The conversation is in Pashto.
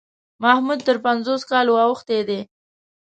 محمود تر پنځوسو کالو اوښتی دی.